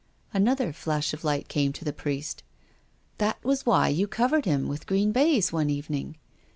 Another flash of light came to the Priest. " That was why you covered him with green baize one evening?"